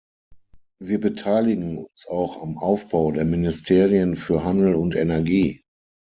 Wir beteiligen uns auch am Aufbau der Ministerien für Handel und Energie.